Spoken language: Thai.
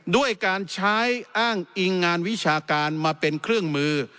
ด้วยการใช้อ้างอิงงานวิชาการมาเป็นเครื่องมือ